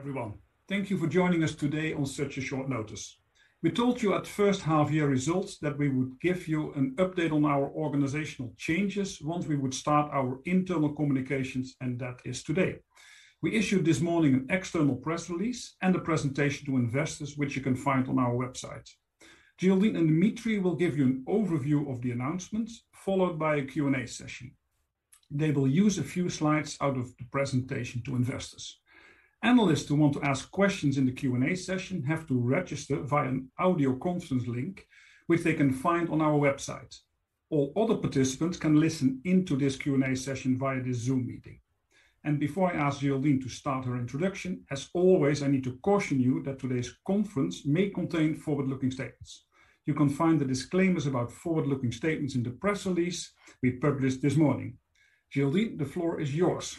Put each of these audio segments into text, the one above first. Everyone, thank you for joining us today on such a short notice. We told you at first half-year results that we would give you an update on our organizational changes once we would start our internal communications, and that is today. We issued this morning an external press release and a presentation to investors, which you can find on our website. Geraldine and Dimitri will give you an overview of the announcements, followed by a Q&A session. They will use a few slides out of the presentation to investors. Analysts who want to ask questions in the Q&A session have to register via an audio conference link, which they can find on our website. All other participants can listen in to this Q&A session via this Zoom meeting. Before I ask Geraldine to start her introduction, as always, I need to caution you that today's conference may contain forward-looking statements. You can find the disclaimers about forward-looking statements in the press release we published this morning. Geraldine, the floor is yours.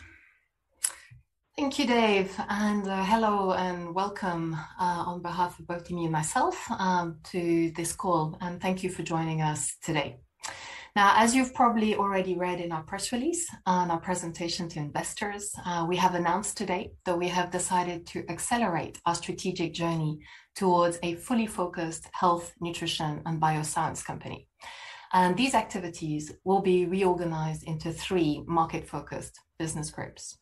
Thank you, Dave, and hello and welcome on behalf of both Dimitri and myself to this call. Thank you for joining us today. Now, as you've probably already read in our press release and our presentation to investors, we have announced today that we have decided to accelerate our strategic journey towards a fully focused health, nutrition, and bioscience company. These activities will be reorganized into three market-focused business groups.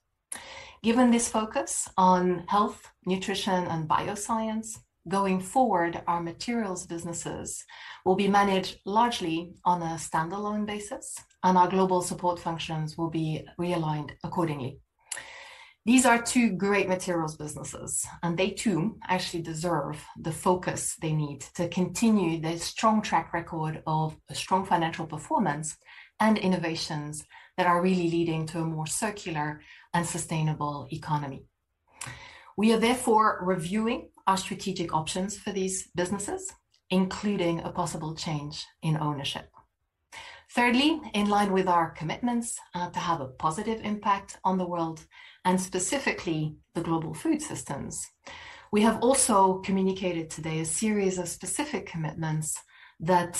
Given this focus on health, nutrition, and bioscience, going forward, our materials businesses will be managed largely on a standalone basis, and our global support functions will be realigned accordingly. These are two great materials businesses, and they too actually deserve the focus they need to continue their strong track record of a strong financial performance and innovations that are really leading to a more circular and sustainable economy. We are therefore reviewing our strategic options for these businesses, including a possible change in ownership. Thirdly, in line with our commitments to have a positive impact on the world, and specifically the global food systems, we have also communicated today a series of specific commitments that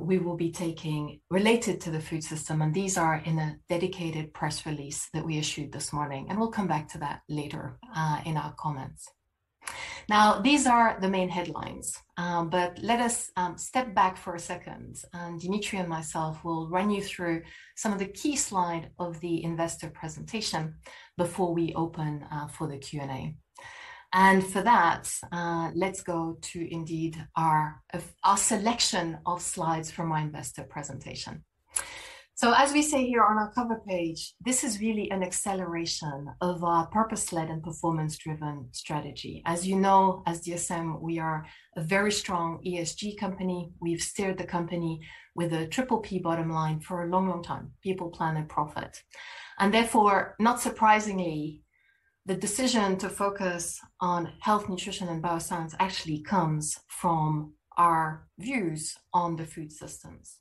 we will be taking related to the food system, and these are in a dedicated press release that we issued this morning. We'll come back to that later in our comments. These are the main headlines. Let us step back for a second, and Dimitri and myself will run you through some of the key slides of the investor presentation before we open for the Q&A. For that, let's go to indeed our selection of slides from our investor presentation. As we say here on our cover page, this is really an acceleration of our purpose-led and performance-driven strategy. As you know, as DSM, we are a very strong ESG company. We've steered the company with a Triple P bottom line for a long, long time: People, Planet, and Profit. Therefore, not surprisingly, the decision to focus on health, nutrition, and bioscience actually comes from our views on the food systems.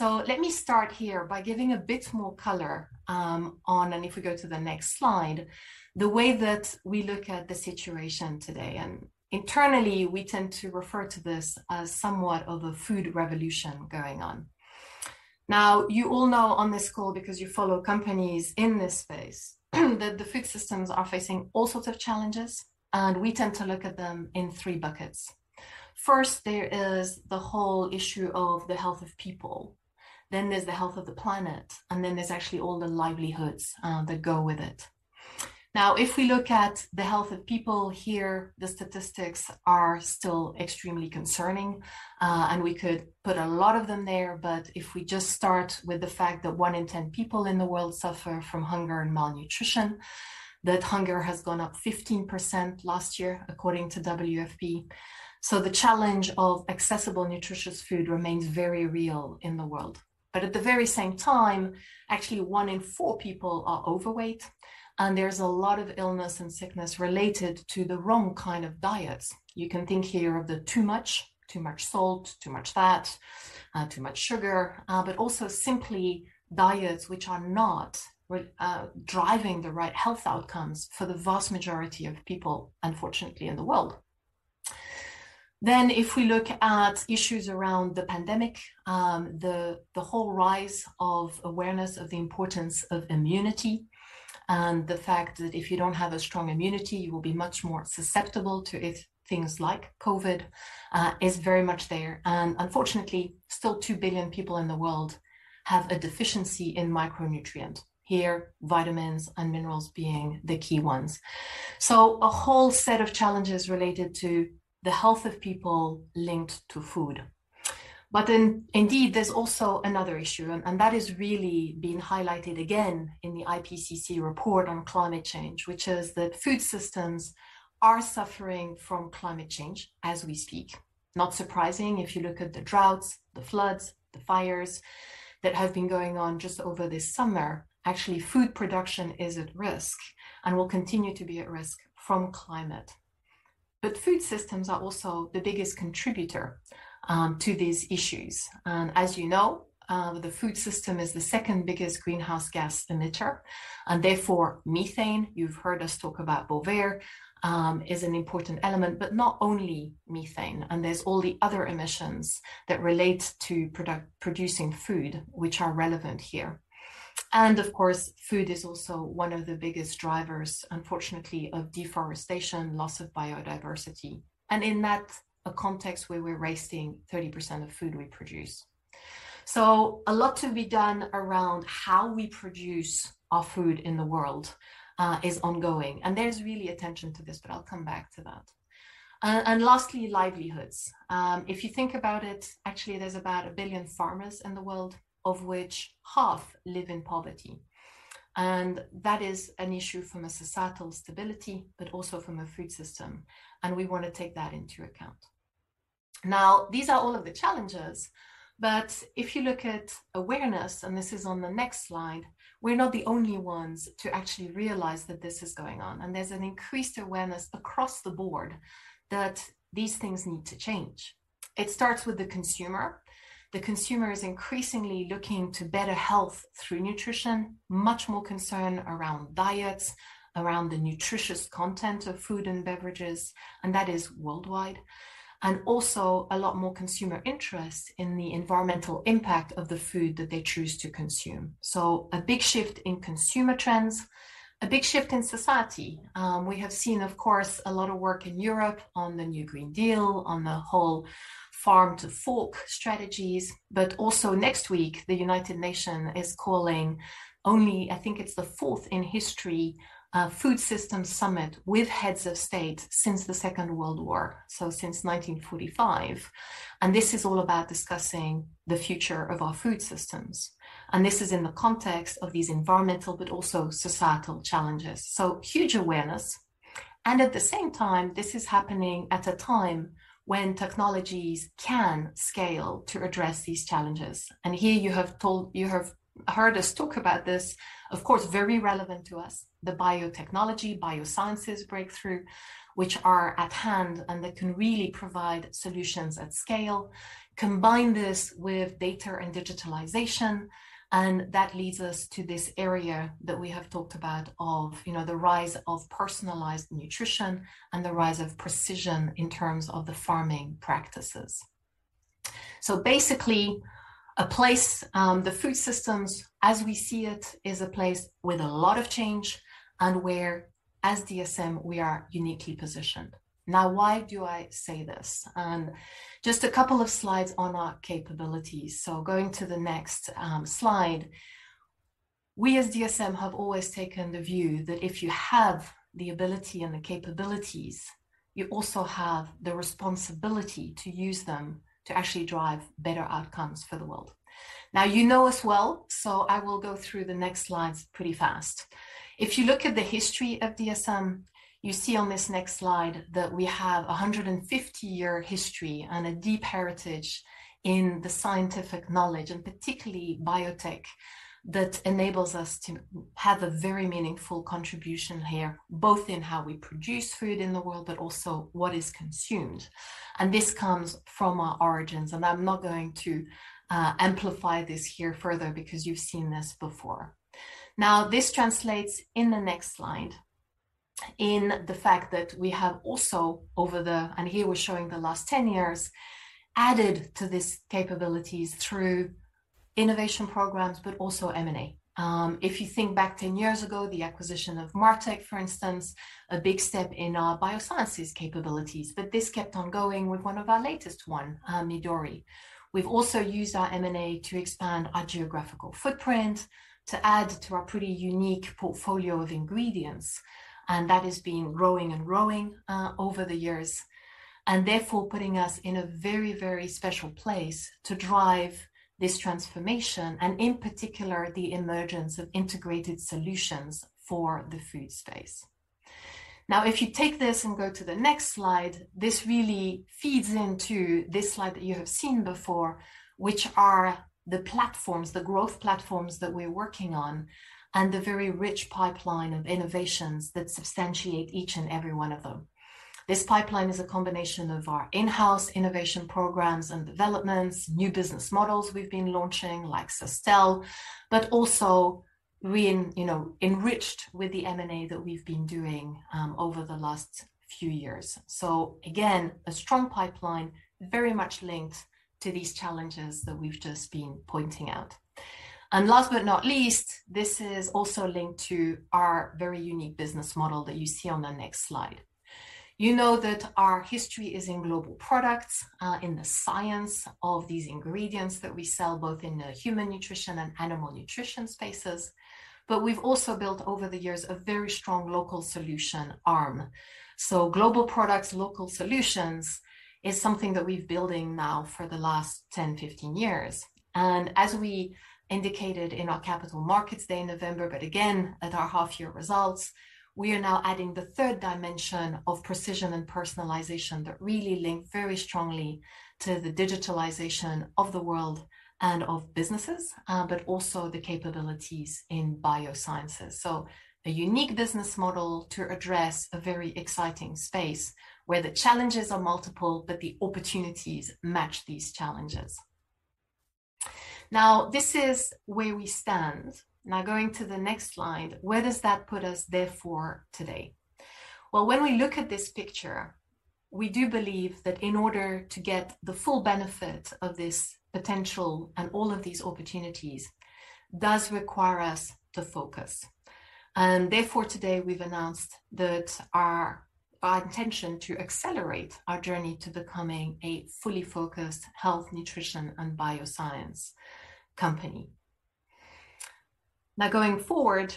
Let me start here by giving a bit more color on, and if we go to the next slide, the way that we look at the situation today. Internally, we tend to refer to this as somewhat of a food revolution going on. You all know on this call, because you follow companies in this space, that the food systems are facing all sorts of challenges, and we tend to look at them in three buckets. First, there is the whole issue of the health of people. There's the health of the planet, and there's actually all the livelihoods that go with it. If we look at the health of people here, the statistics are still extremely concerning, and we could put a lot of them there. If we just start with the fact that onein 10 people in the world suffer from hunger and malnutrition, that hunger has gone up 15% last year according to WFP. The challenge of accessible nutritious food remains very real in the world. At the very same time, actually one in four people are overweight, and there's a lot of illness and sickness related to the wrong kind of diets. You can think here of the too much, too much salt, too much fat, too much sugar, but also simply diets which are not driving the right health outcomes for the vast majority of people, unfortunately, in the world. If we look at issues around the pandemic, the whole rise of awareness of the importance of immunity, and the fact that if you don't have a strong immunity, you will be much more susceptible to things like COVID, is very much there. Unfortunately, still 2 billion people in the world have a deficiency in micronutrients, here vitamins and minerals being the key ones. A whole set of challenges related to the health of people linked to food. Indeed, there's also another issue, and that is really being highlighted again in the IPCC report on climate change, which is that food systems are suffering from climate change as we speak. Not surprising if you look at the droughts, the floods, the fires that have been going on just over this summer. Actually, food production is at risk and will continue to be at risk from climate. Food systems are also the biggest contributor to these issues. As you know, the food system is the second biggest greenhouse gas emitter, and therefore methane, you've heard us talk about Bovaer, is an important element, but not only methane. There's all the other emissions that relate to producing food, which are relevant here. Of course, food is also one of the biggest drivers, unfortunately, of deforestation, loss of biodiversity. In that context, we're wasting 30% of food we produce. A lot to be done around how we produce our food in the world is ongoing, and there's really attention to this, but I'll come back to that. Lastly, livelihoods. If you think about it, actually there's about 1 billion farmers in the world, of which half live in poverty. That is an issue from a societal stability, but also from a food system, and we want to take that into account. These are all of the challenges, but if you look at awareness, and this is on the next slide, we're not the only ones to actually realize that this is going on, and there's an increased awareness across the board that these things need to change. It starts with the consumer. The consumer is increasingly looking to better health through nutrition, much more concern around diets, around the nutritious content of food and beverages, and that is worldwide, and also a lot more consumer interest in the environmental impact of the food that they choose to consume. A big shift in consumer trends, a big shift in society. We have seen, of course, a lot of work in Europe on the new European Green Deal, on the whole Farm to Fork strategies, but also next week, the United Nations is calling only, I think it's the fourth in history, Food Systems Summit with heads of state since the Second World War, so since 1945. This is all about discussing the future of our food systems. This is in the context of these environmental but also societal challenges. Huge awareness, and at the same time, this is happening at a time when technologies can scale to address these challenges. Here you have heard us talk about this, of course, very relevant to us, the biotechnology, biosciences breakthrough, which are at hand, and they can really provide solutions at scale. Combine this with data and digitalization, and that leads us to this area that we have talked about of the rise of personalized nutrition and the rise of precision in terms of the farming practices. Basically, the food systems as we see it, is a place with a lot of change and where, as DSM, we are uniquely positioned. Why do I say this? Just a couple of slides on our capabilities. Going to the next slide. We as DSM have always taken the view that if you have the ability and the capabilities, you also have the responsibility to use them to actually drive better outcomes for the world. You know us well, so I will go through the next slides pretty fast. If you look at the history of DSM, you see on this next slide that we have 150-year history and a deep heritage in the scientific knowledge, and particularly biotech, that enables us to have a very meaningful contribution here, both in how we produce food in the world, but also what is consumed. This comes from our origins, and I'm not going to amplify this here further because you've seen this before. This translates in the next slide in the fact that we have also over the, and here we're showing the last 10 years, added to these capabilities through innovation programs, but also M&A. If you think back 10 years ago, the acquisition of Martek, for instance, a big step in our biosciences capabilities. But this kept on going with one of our latest one, Midori. We've also used our M&A to expand our geographical footprint to add to our pretty unique portfolio of ingredients, and that has been growing and growing over the years, and therefore putting us in a very, very special place to drive this transformation, and in particular, the emergence of integrated solutions for the food space. If you take this and go to the next slide, this really feeds into this slide that you have seen before, which are the platforms, the growth platforms that we're working on, and the very rich pipeline of innovations that substantiate each and every one of them. This pipeline is a combination of our in-house innovation programs and developments, new business models we've been launching, like Sustell, but also we enriched with the M&A that we've been doing over the last few years. Again, a strong pipeline, very much linked to these challenges that we've just been pointing out. Last but not least, this is also linked to our very unique business model that you see on the next slide. You know that our history is in Global Products, in the science of these ingredients that we sell, both in the Human Nutrition and Animal Nutrition spaces. We've also built over the years a very strong local solution arm. Global products, local solutions is something that we've building now for the last 10, 15 years. As we indicated in our Capital Markets Day in November, but again at our half year results, we are now adding the third dimension of precision and personalization that really link very strongly to the digitalization of the world and of businesses, but also the capabilities in biosciences. A unique business model to address a very exciting space where the challenges are multiple, but the opportunities match these challenges. This is where we stand. Going to the next slide, where does that put us therefore today? Well, when we look at this picture, we do believe that in order to get the full benefit of this potential and all of these opportunities does require us to focus. Therefore, today we've announced that Our intention to accelerate our journey to becoming a fully focused health, nutrition, and bioscience company. Now, going forward,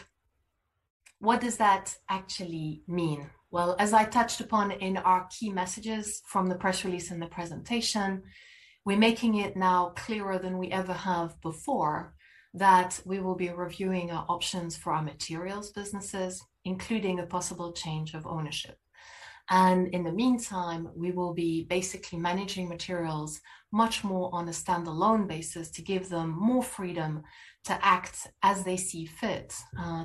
what does that actually mean? Well, as I touched upon in our key messages from the press release and the presentation, we're making it now clearer than we ever have before that we will be reviewing our options for our materials businesses, including a possible change of ownership. In the meantime, we will be basically managing materials much more on a standalone basis to give them more freedom to act as they see fit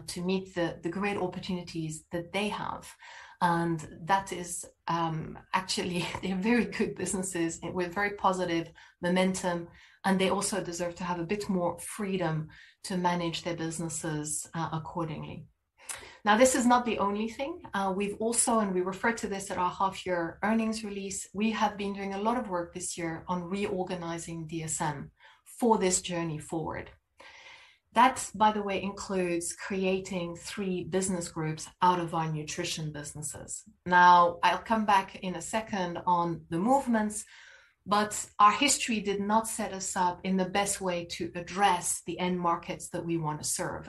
to meet the great opportunities that they have. Actually, they're very good businesses with very positive momentum, and they also deserve to have a bit more freedom to manage their businesses accordingly. This is not the only thing. We've also, and we referred to this at our half-year earnings release, we have been doing a lot of work this year on reorganizing DSM for this journey forward. That, by the way, includes creating three business groups out of our nutrition businesses. I'll come back in a second on the movements, but our history did not set us up in the best way to address the end markets that we want to serve.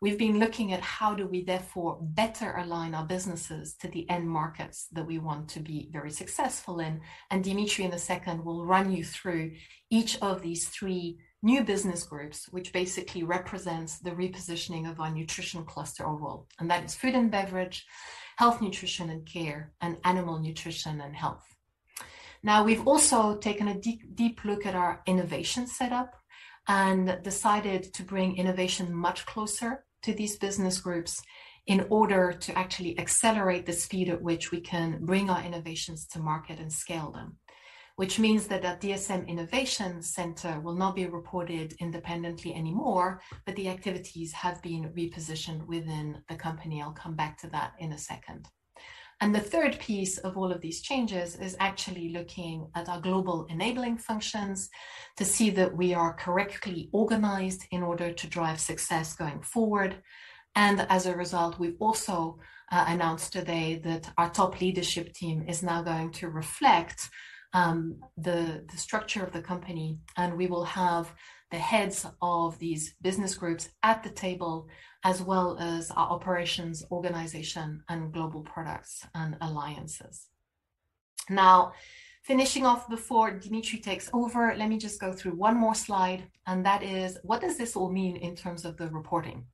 We've been looking at how do we therefore better align our businesses to the end markets that we want to be very successful in. Dimitri, in a second, will run you through each of these three new business groups, which basically represents the repositioning of our nutrition cluster overall. That is Food & Beverage, Health, Nutrition & Care, and Animal Nutrition & Health. We've also taken a deep look at our innovation setup and decided to bring innovation much closer to these business groups in order to actually accelerate the speed at which we can bring our innovations to market and scale them. Which means that our DSM Innovation Center will not be reported independently anymore, but the activities have been repositioned within the company. I'll come back to that in a second. The third piece of all of these changes is actually looking at our global enabling functions to see that we are correctly organized in order to drive success going forward. As a result, we've also announced today that our top leadership team is now going to reflect the structure of the company, and we will have the heads of these business groups at the table, as well as our operations, organization, and Global Products & Strategic Alliances. Finishing off before Dimitri takes over, let me just go through one more slide, and that is: what does this all mean in terms of the reporting?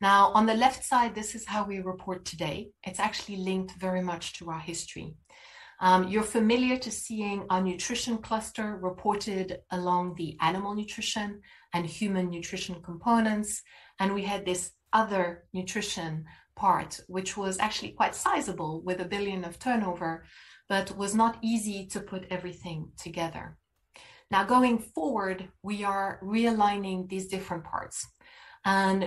On the left side, this is how we report today. It's actually linked very much to our history. You're familiar to seeing our nutrition cluster reported along the Animal Nutrition and Human Nutrition components. We had this Other Nutrition part, which was actually quite sizable, with 1 billion of turnover, but was not easy to put everything together. Going forward, we are realigning these different parts.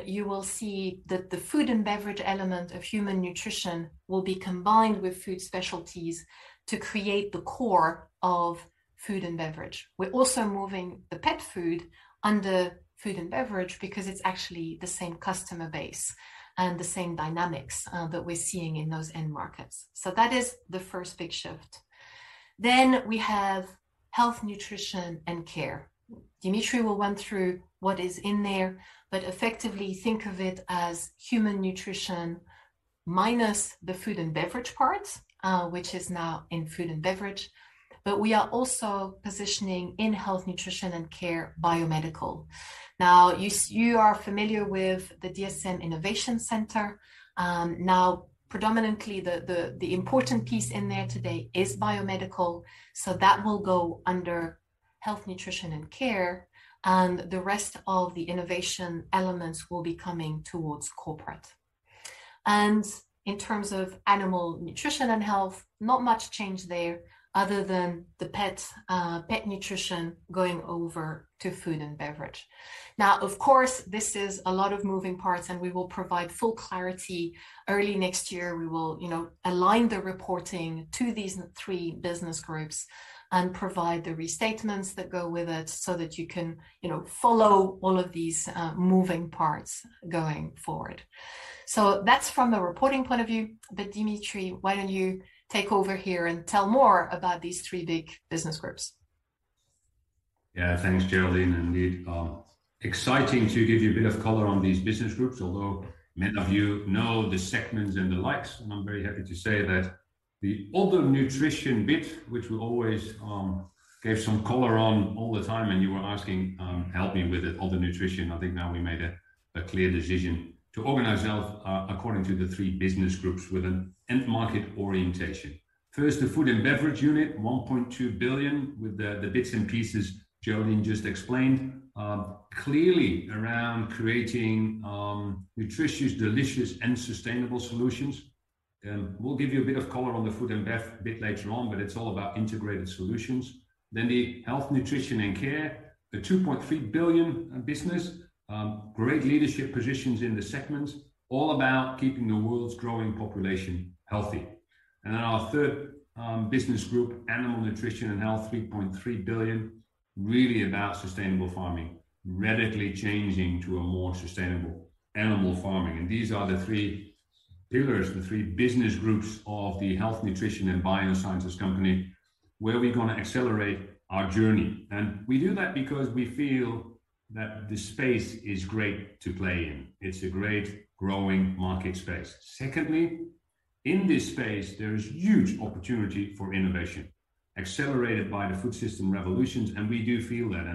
You will see that the Food & Beverage element of Human Nutrition will be combined with Food Specialties to create the core of Food & Beverage. We're also moving the pet food under Food & Beverage because it's actually the same customer base and the same dynamics that we're seeing in those end markets. That is the first big shift. We have Health, Nutrition & Care. Dimitri will run through what is in there, but effectively, think of it as Human Nutrition minus the Food & Beverage part, which is now in Food & Beverage. We are also positioning in Health, Nutrition & Care, Biomedical. You are familiar with the DSM Innovation Center. Predominantly, the important piece in there today is Biomedical, so that will go under Health, Nutrition & Care, and the rest of the innovation elements will be coming towards corporate. In terms of Animal Nutrition & Health, not much change there other than the Pet nutrition going over to Food & Beverage. Of course, this is a lot of moving parts, and we will provide full clarity early next year. We will align the reporting to these three business groups and provide the restatements that go with it so that you can follow all of these moving parts going forward. That's from a reporting point of view, but Dimitri, why don't you take over here and tell more about these three big business groups? Thanks, Geraldine. Indeed, exciting to give you a bit of color on these business groups. Although many of you know the segments and the likes, I'm very happy to say that the Other Nutrition bit, which we always gave some color on all the time, and you were asking, Help me with it, Other Nutrition, I think now we made a clear decision to organize ourselves according to the three business groups with an end market orientation. First, the Food & Beverage unit, 1.2 billion, with the bits and pieces Geraldine just explained. Clearly around creating nutritious, delicious, and sustainable solutions. We'll give you a bit of color on the Food & Beverage a bit later on. It's all about integrated solutions. The Health, Nutrition & Care, a 2.3 billion business. Great leadership positions in the segments, all about keeping the world's growing population healthy. Our third business group, Animal Nutrition & Health, 3.3 billion, really about sustainable farming. Radically changing to a more sustainable animal farming. These are the three pillars, the three business groups of the health, nutrition, and biosciences company, where we are going to accelerate our journey. We do that because we feel that the space is great to play in. It is a great growing market space. Secondly, in this space, there is huge opportunity for innovation, accelerated by the food system revolutions, and we do feel that.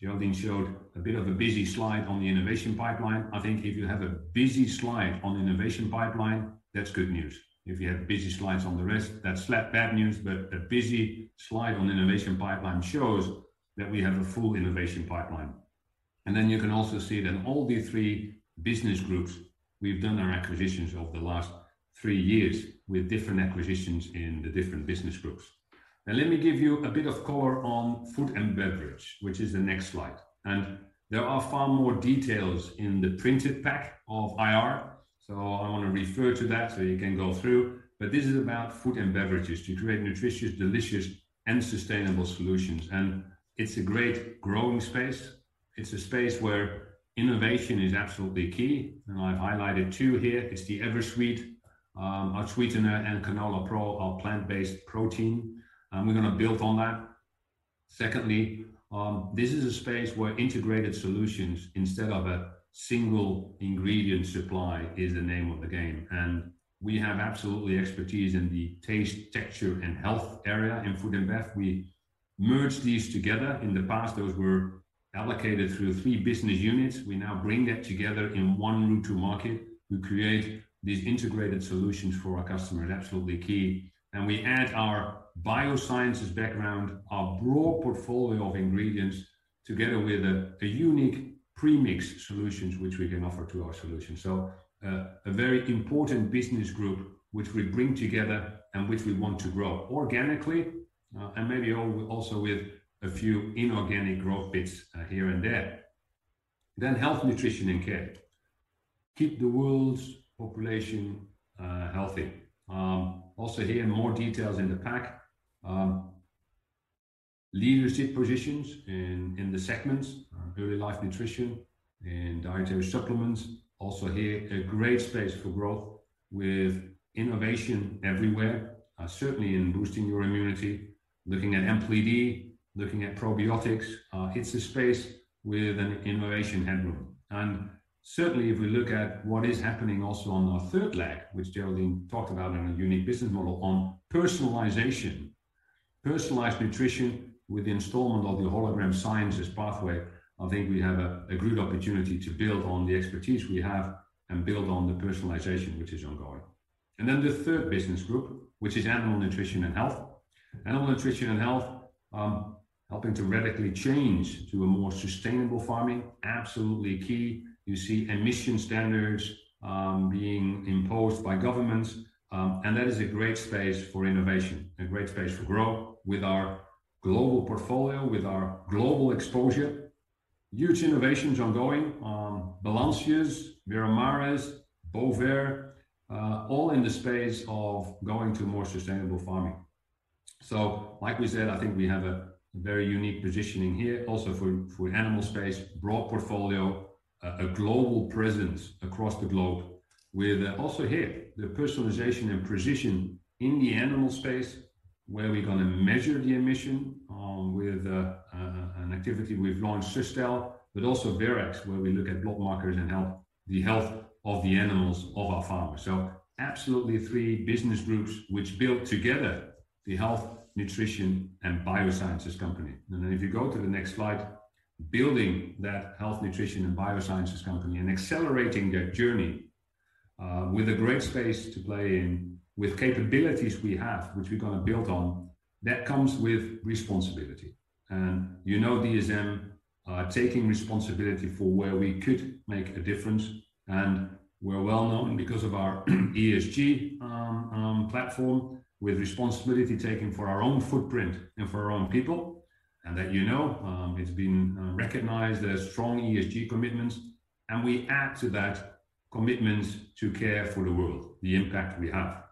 Geraldine showed a bit of a busy slide on the innovation pipeline. I think if you have a busy slide on innovation pipeline, that is good news. If you have busy slides on the rest, that is bad news, but a busy slide on innovation pipeline shows that we have a full innovation pipeline. You can also see that all the three business groups, we've done our acquisitions over the last three years with different acquisitions in the different business groups. Let me give you a bit of color on Food & Beverage, which is the next slide. There are far more details in the printed pack of IR. I want to refer to that so you can go through. This is about Food & Beverage, to create nutritious, delicious, and sustainable solutions. It's a great growing space. It's a space where innovation is absolutely key. I've highlighted two here. It's the EverSweet, our sweetener, and CanolaPRO, our plant-based protein. We're going to build on that. Secondly, this is a space where integrated solutions instead of a single ingredient supply is the name of the game. We have absolutely expertise in the Taste, Texture & Health area in Food & Beverage. We merge these together. In the past, those were allocated through three business units. We now bring that together in one route to market. We create these Integrated Solutions for our customers. Absolutely key. We add our biosciences background, our broad portfolio of ingredients, together with a unique premix solutions which we can offer to our solution. A very important business group which we bring together and which we want to grow organically, and maybe also with a few inorganic growth bits here and there. Health, Nutrition & Care. Keep the world's population healthy. Also here, more details in the pack. Leadership positions in the segments, Early Life Nutrition and Dietary Supplements. Also here, a great space for growth with innovation everywhere, certainly in boosting your immunity, looking at NPD, looking at probiotics. It's a space with an innovation headroom. Certainly, if we look at what is happening also on our third leg, which Geraldine talked about in a unique business model on personalization. Personalized nutrition with the installment of the Hologram Sciences pathway, I think we have a great opportunity to build on the expertise we have and build on the personalization, which is ongoing. Then the third business group, which is Animal Nutrition & Health. Animal Nutrition & Health, helping to radically change to a more sustainable farming, absolutely key. You see emission standards being imposed by governments, and that is a great space for innovation, a great space for growth with our global portfolio, with our global exposure. Huge innovations ongoing on Balancius, Veramaris, Bovaer, all in the space of going to more sustainable farming. Like we said, I think we have a very unique positioning here also for animal space, broad portfolio, a global presence across the globe with also here, the personalization and precision in the animal space, where we're going to measure the emission with an activity we've launched, Sustell, but also Verax, where we look at biomarkers and the health of the animals of our farmers. Absolutely three business groups which build together the health, nutrition, and biosciences company. If you go to the next slide, building that health, nutrition, and biosciences company and accelerating that journey, with a great space to play in, with capabilities we have, which we're going to build on. That comes with responsibility. You know DSM are taking responsibility for where we could make a difference, and we're well known because of our ESG platform with responsibility taking for our own footprint and for our own people. That, you know, it's been recognized as strong ESG commitments, and we add to that commitment to care for the world, the impact we have.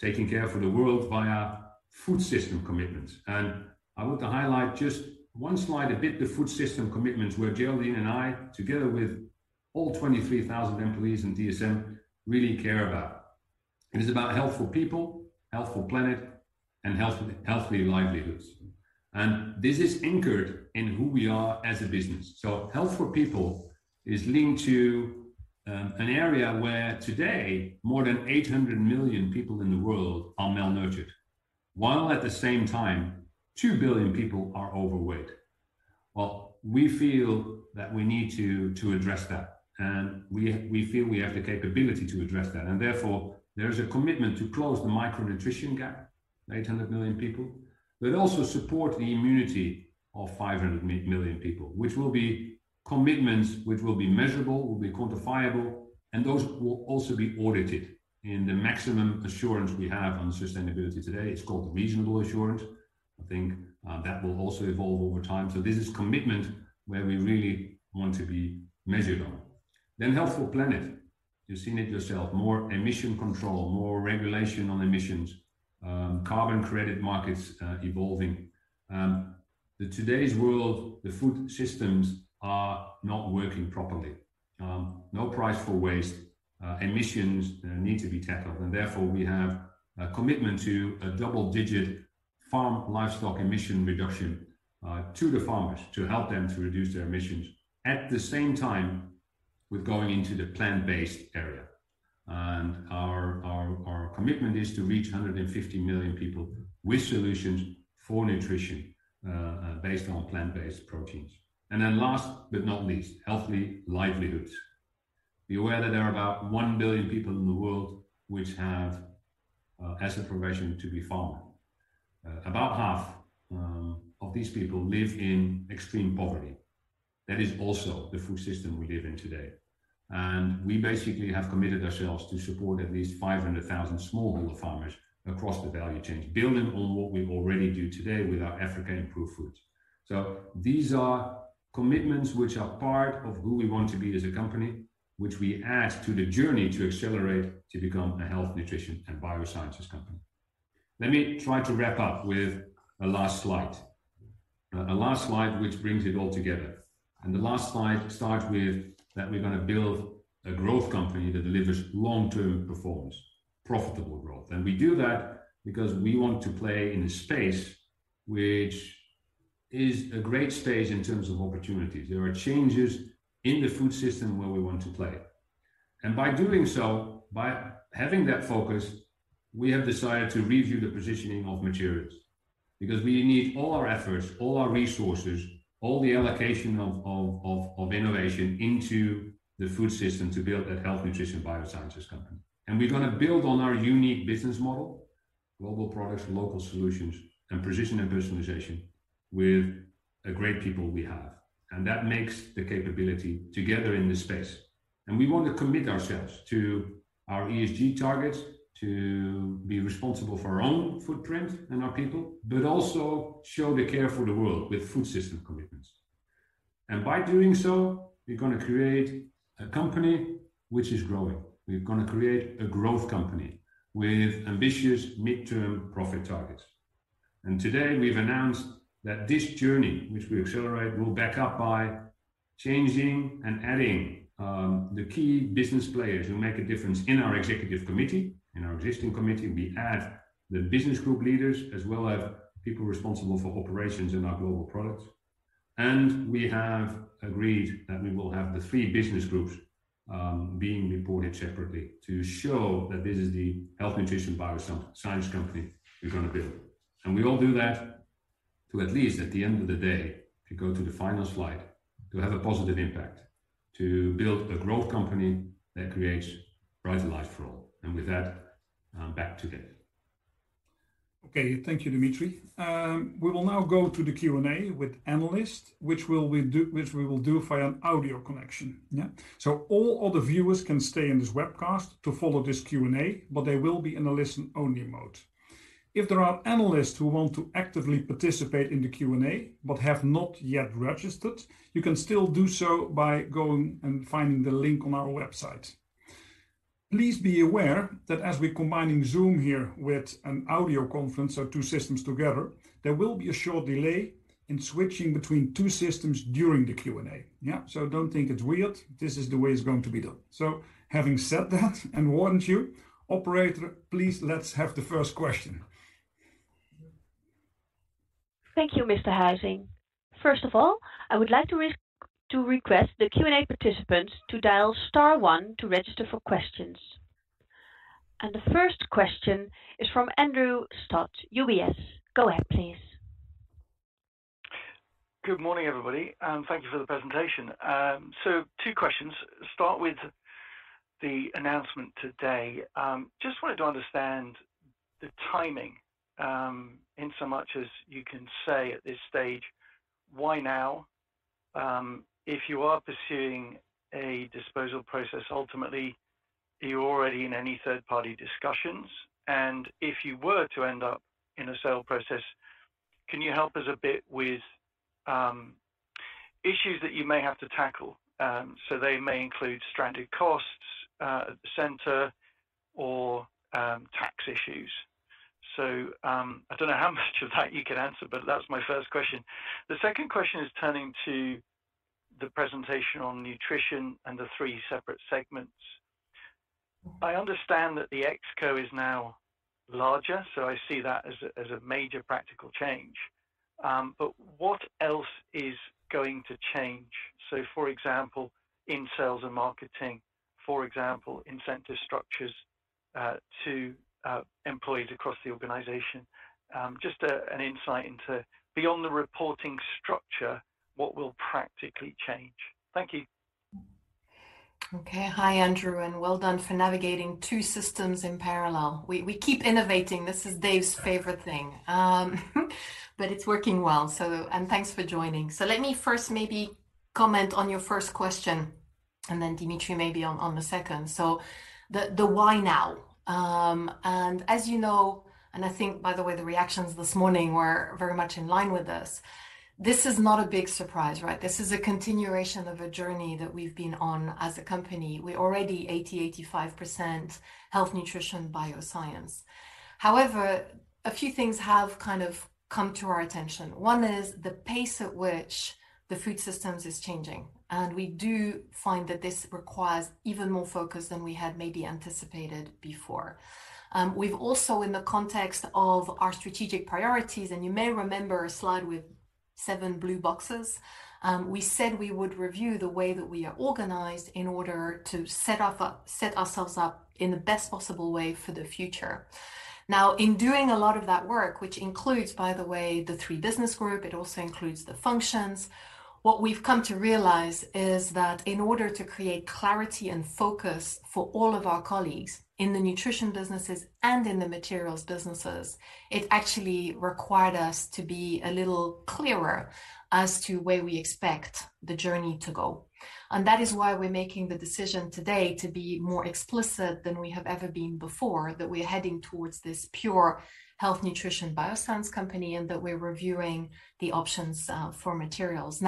Taking care for the world via food system commitments. I want to highlight just one slide a bit, the food system commitments, where Geraldine and I, together with all 23,000 employees in DSM, really care about. It is about health for people, health for planet, and healthy livelihoods. This is anchored in who we are as a business. Health for people is linked to an area where today more than 800 million people in the world are malnourished, while at the same time, 2 billion people are overweight. We feel that we need to address that, and we feel we have the capability to address that. There is a commitment to close the micronutrition gap, 800 million people, but also support the immunity of 500 million people, which will be commitments which will be measurable, will be quantifiable, and those will also be audited in the maximum assurance we have on sustainability today. It's called reasonable assurance. I think that will also evolve over time. This is commitment where we really want to be measured on. Health for planet. You've seen it yourself, more emission control, more regulation on emissions, carbon credit markets evolving. In today's world, the food systems are not working properly. No price for waste. Emissions need to be tackled. Therefore, we have a commitment to a double-digit farm livestock emission reduction to the farmers to help them to reduce their emissions. At the same time, we're going into the plant-based area. Our commitment is to reach 150 million people with solutions for nutrition based on plant-based proteins. Last but not least, healthy livelihoods. Be aware that there are about 1 billion people in the world which have as a profession to be farming. About half of these people live in extreme poverty. That is also the food system we live in today. We basically have committed ourselves to support at least 500,000 smallholder farmers across the value chain, building on what we already do today with our Africa Improved Foods. These are commitments which are part of who we want to be as a company, which we add to the journey to accelerate to become a health nutrition and biosciences company. Let me try to wrap up with a last slide. A last slide which brings it all together. The last slide starts with that we're going to build a growth company that delivers long-term performance, profitable growth. We do that because we want to play in a space which is a great space in terms of opportunities. There are changes in the food system where we want to play. By doing so, by having that focus, we have decided to review the positioning of Materials because we need all our efforts, all our resources, all the allocation of innovation into the food system to build that health nutrition biosciences company. We're going to build on our unique business model, Global Products, local solutions, and precision and personalization with the great people we have. That makes the capability together in this space. We want to commit ourselves to our ESG targets, to be responsible for our own footprint and our people, but also show the care for the world with Food System commitments. By doing so, we're going to create a company which is growing. We're going to create a growth company with ambitious mid-term profit targets. Today we've announced that this journey, which we accelerate, will back up by changing and adding the key business players who make a difference in our Executive Committee. In our Executive Committee, we add the business group leaders, as well as people responsible for operations in our Global Products. We have agreed that we will have the three business groups being reported separately to show that this is the health nutrition bioscience company we're going to build. We all do that to at least, at the end of the day, if you go to the final slide, to have a positive impact, to build a growth company that creates brighter life for all. With that, back to Dave. Okay. Thank you, Dimitri. We will now go to the Q&A with analysts, which we will do via an audio connection. All other viewers can stay in this webcast to follow this Q&A, but they will be in a listen-only mode. If there are analysts who want to actively participate in the Q&A but have not yet registered, you can still do so by going and finding the link on our website. Please be aware that as we're combining Zoom here with an audio conference, so two systems together, there will be a short delay in switching between two systems during the Q&A. Don't think it's weird. This is the way it's going to be done. Having said that and warned you, operator, please, let's have the first question. Thank you, Mr. Huizing. First of all, I would like to request the Q&A participants to dial star one to register for questions. The first question is from Andrew Stott, UBS. Go ahead, please. Good morning, everybody, and thank you for the presentation. Two questions. Start with the announcement today. Just wanted to understand the timing, insomuch as you can say at this stage, why now? If you are pursuing a disposal process, ultimately, are you already in any third-party discussions? If you were to end up in a sale process, can you help us a bit with issues that you may have to tackle? They may include stranded costs at the center or tax issues. I don't know how much of that you can answer, but that's my first question. The second question is turning to the presentation on nutrition and the three separate segments. I understand that the ExCo is now larger, so I see that as a major practical change. What else is going to change? For example, in sales and marketing. For example, incentive structures to employees across the organization. Just an insight into, beyond the reporting structure, what will practically change. Thank you. Hi, Andrew, and well done for navigating two systems in parallel. We keep innovating. This is Dave's favorite thing. It's working well. Thanks for joining. Let me first maybe comment on your first question and then Dimitri maybe on the second. The why now? As you know, and I think, by the way, the reactions this morning were very much in line with this is not a big surprise, right? This is a continuation of a journey that we've been on as a company. We're already 80%, 85% health nutrition bioscience. However, a few things have come to our attention. One is the pace at which the food systems is changing, and we do find that this requires even more focus than we had maybe anticipated before. We've also, in the context of our strategic priorities, and you may remember a slide with seven blue boxes, we said we would review the way that we are organized in order to set ourselves up in the best possible way for the future. In doing a lot of that work, which includes, by the way, the three business group, it also includes the functions, what we've come to realize is that in order to create clarity and focus for all of our colleagues in the nutrition businesses and in the materials businesses, it actually required us to be a little clearer as to where we expect the journey to go. That is why we're making the decision today to be more explicit than we have ever been before, that we are heading towards this pure health nutrition bioscience company, and that we're reviewing the options for materials.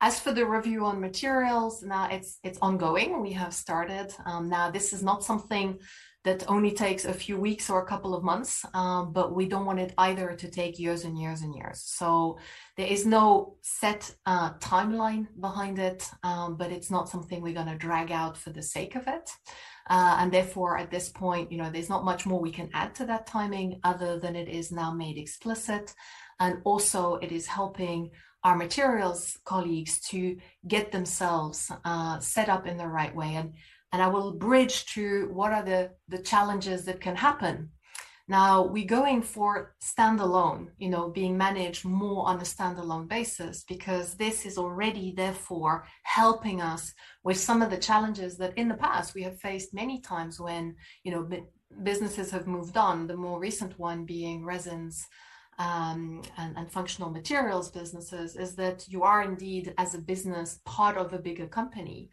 As for the review on materials, it's ongoing. We have started. This is not something that only takes a few weeks or a couple of months, but we don't want it either to take years and years. There is no set timeline behind it, but it's not something we're going to drag out for the sake of it. Therefore, at this point, there's not much more we can add to that timing other than it is now made explicit. Also, it is helping our materials colleagues to get themselves set up in the right way. I will bridge to what are the challenges that can happen. We're going for standalone, being managed more on a standalone basis because this is already therefore helping us with some of the challenges that in the past we have faced many times when businesses have moved on, the more recent one being Resins & Functional Materials businesses, is that you are indeed as a business part of a bigger company.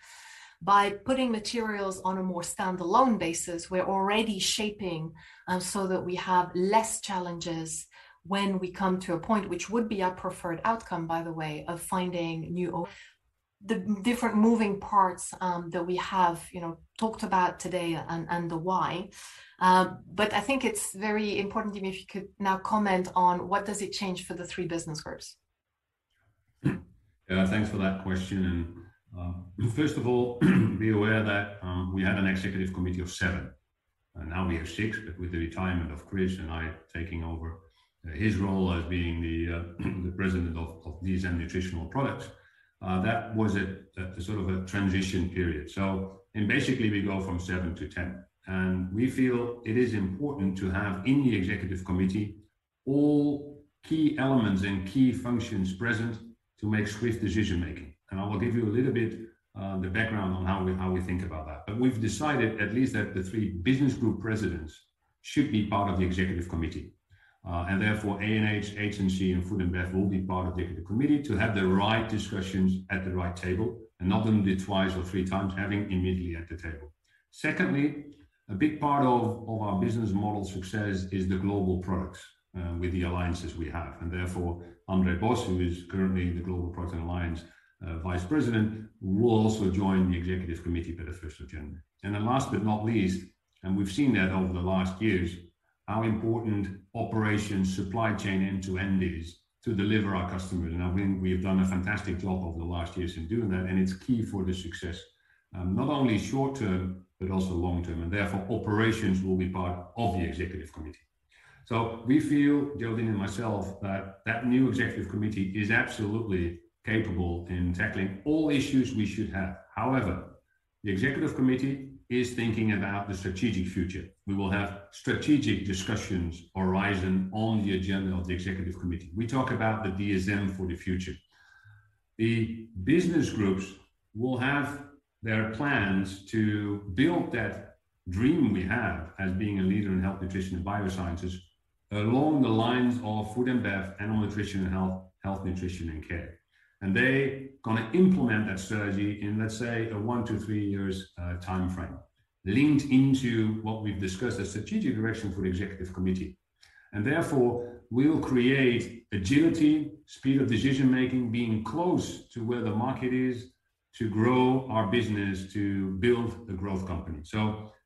By putting materials on a more standalone basis, we're already shaping so that we have less challenges when we come to a point, which would be our preferred outcome, by the way. The different moving parts that we have talked about today and the why. I think it's very important, Dimitri, if you could now comment on what does it change for the three business groups? Yeah, thanks for that question. First of all, be aware that we had an Executive Committee of seven, and now we have six, but with the retirement of Chris and I taking over his role as being the President of DSM Nutritional Products, that was at a sort of a transition period. Basically we go from 7-10. We feel it is important to have in the Executive Committee all key elements and key functions present to make swift decision-making. I will give you a little bit the background on how we think about that. We've decided at least that the three business group presidents should be part of the Executive Committee. Therefore ANH, HNC, and Food and Bev will be part of the Executive Committee to have the right discussions at the right table, and not only twice or 3x, having immediately at the table. Secondly, a big part of our business model success is the Global Products with the alliances we have. Therefore Andre Bos, who is currently the Global Product Alliance Vice President, will also join the Executive Committee per the first of January. Then last but not least, we've seen that over the last years, how important operations supply chain end-to-end is to deliver our customers. I think we have done a fantastic job over the last years in doing that. It's key for the success, not only short-term, but also long-term, therefore operations will be part of the Executive Committee. We feel, Geraldine and myself, that that new Executive Committee is absolutely capable in tackling all issues we should have. However, the Executive Committee is thinking about the strategic future. We will have strategic discussions arising on the agenda of the Executive Committee. We talk about the DSM for the future. The business groups will have their plans to build that dream we have as being a leader in health, nutrition, and biosciences along the lines of Food & Bev, Animal Nutrition & Health, Nutrition & Care. They going to implement that strategy in, let's say, a 1-3 years time frame, linked into what we've discussed as strategic direction for the Executive Committee. Therefore we'll create agility, speed of decision making, being close to where the market is to grow our business, to build a growth company.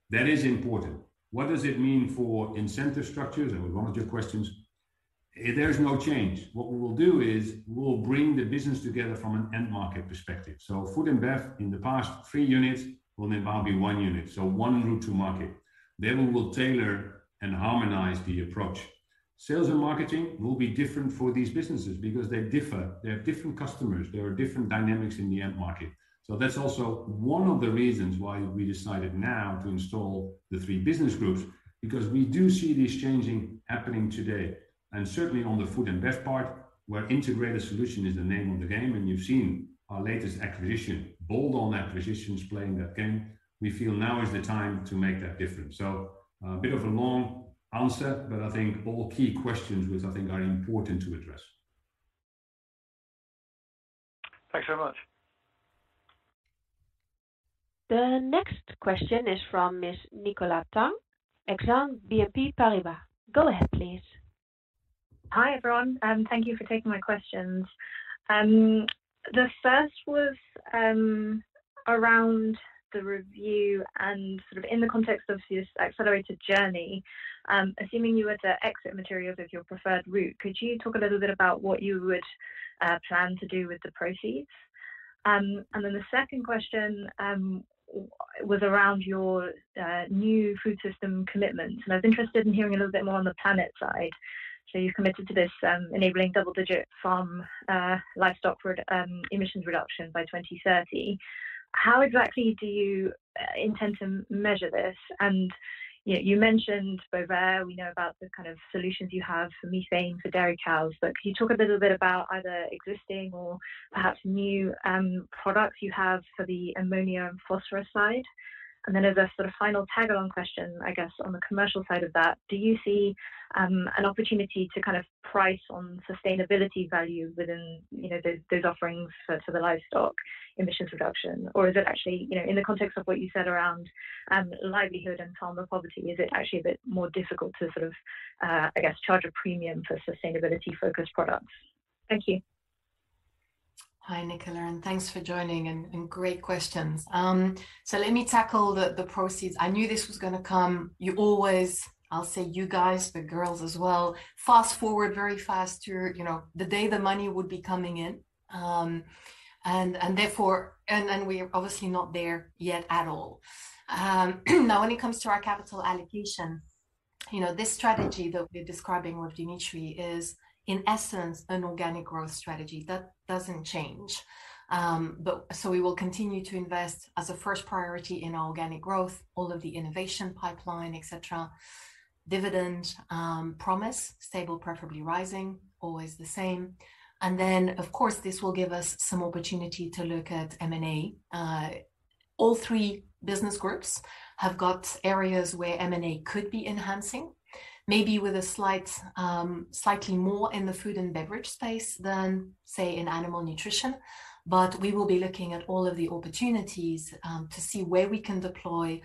That is important. What does it mean for incentive structures? We wanted your questions. There's no change. What we will do is we'll bring the business together from an end market perspective. Food & Bev in the past three units will now be one unit, so one route to market. We will tailor and harmonize the approach. Sales and marketing will be different for these businesses because they differ. They have different customers. There are different dynamics in the end market. That's also one of the reasons why we decided now to install the three business groups, because we do see these changing happening today. Certainly on the Food & Beverage part, where integrated solutions is the name of the game, and you've seen our latest acquisition, bolt-on acquisitions playing that game. We feel now is the time to make that difference. A bit of a long answer, but I think all key questions which I think are important to address. Thanks so much. The next question is from Ms. Nicola Tang, Exane BNP Paribas. Go ahead, please. Hi, everyone. Thank you for taking my questions. The first was around the review and sort of in the context of this accelerated journey, assuming you were to exit Materials as your preferred route, could you talk a little bit about what you would plan to do with the proceeds? The second question was around your new food system commitment. I was interested in hearing a little bit more on the planet side. You've committed to this enabling double-digit farm livestock emissions reduction by 2030. How exactly do you intend to measure this? You mentioned Bovaer. We know about the kind of solutions you have for methane for dairy cows. Can you talk a little bit about either existing or perhaps new products you have for the ammonia and phosphorus side? As a sort of final tag-along question, I guess, on the commercial side of that, do you see an opportunity to kind of price on sustainability value within those offerings for the livestock emissions reduction, or is it actually in the context of what you said around livelihood and farmer poverty, is it actually a bit more difficult to sort of, I guess, charge a premium for sustainability-focused products? Thank you. Hi, Nicola, and thanks for joining, and great questions. Let me tackle the proceeds. I knew this was going to come. You always, I'll say you guys, the girls as well, fast forward very fast to the day the money would be coming in. Then we're obviously not there yet at all. Now, when it comes to our capital allocation, this strategy that we're describing with Dimitri is, in essence, an organic growth strategy. That doesn't change. We will continue to invest as a first priority in organic growth, all of the innovation pipeline, et cetera. Dividend promise, stable, preferably rising, always the same. Then, of course, this will give us some opportunity to look at M&A. All three business groups have got areas where M&A could be enhancing, maybe with slightly more in the Food & Beverage space than, say, in Animal Nutrition. We will be looking at all of the opportunities to see where we can deploy